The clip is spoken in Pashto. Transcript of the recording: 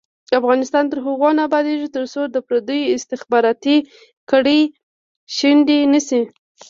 افغانستان تر هغو نه ابادیږي، ترڅو د پردیو استخباراتي کړۍ شنډې نشي.